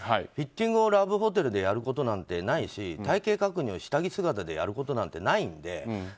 フィッティングをラブホテルでやることなんてないし体形確認を下着姿でやることなんてないので。